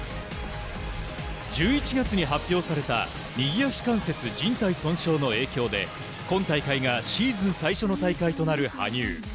１１月に発表された右足関節じん帯損傷の影響で今大会がシーズン最初の大会となる羽生。